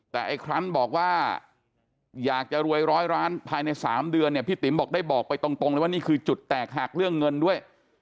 แต่ไอ้ครั้นบอกว่าอยากจะรวยร้อยล้านภายใน๓เดือนเนี่ยพี่ติ๋มบอกได้บอกไปตรงเลยว่านี่คือจุดแตกหักเรื่องเงินด้วย